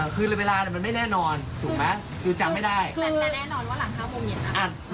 คือเวลามันไม่แน่นอนถูกไหมคือจำไม่ได้แต่แน่นอนว่าหลัง๕โมงเย็นนะ